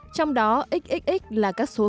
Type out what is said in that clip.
trong đó xxx là các số